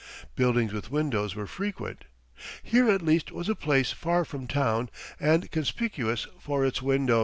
Buildings with windows were frequent. Here at least was a "place far from town and conspicuous for its windows."